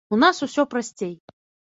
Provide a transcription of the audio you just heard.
У нас усё прасцей.